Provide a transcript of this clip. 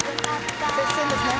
接戦ですね。